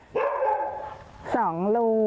เพราะว่าที่พี่ไปดูมันเหมือนกับมันมีแค่๒รู